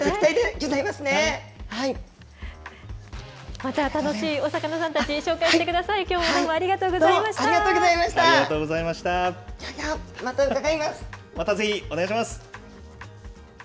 ギョギョ、またぜひお願いします。